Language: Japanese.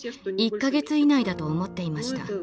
１か月以内だと思っていました。